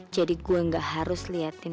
jadi gue enggak harus liatin